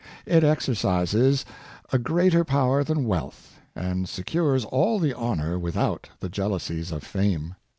It exercises a greater power than wealth, and secures all the honor without the jeal ousies of fame.